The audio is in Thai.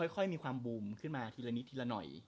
ค่อยมีความบูมขึ้นมาทีละนิดทีละหน่อย